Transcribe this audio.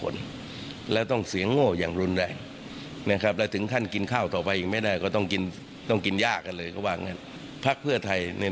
นี่แงะนี่แงะ